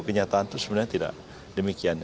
kenyataan itu sebenarnya tidak demikian